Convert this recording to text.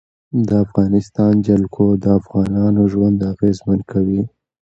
د افغانستان جلکو د افغانانو ژوند اغېزمن کوي.